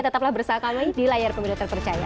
tetaplah bersama kami di layar pemilu terpercaya